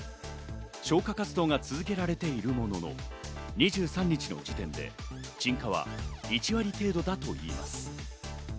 消火活動が続けられているものの、２３日の時点で鎮火は１割程度だといいます。